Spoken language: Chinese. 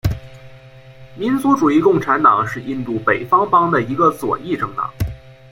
民族主义共产党是印度北方邦的一个左翼政党。